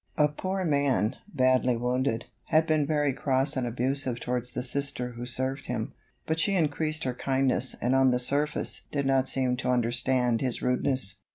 A poor man, badly wounded, had been very cross and abusive towards the Sister who served him, but she increased her kindness and on the surface did not seem to understand his rudeness.